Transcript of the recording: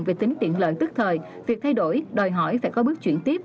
về tính tiện lợi tức thời việc thay đổi đòi hỏi phải có bước chuyển tiếp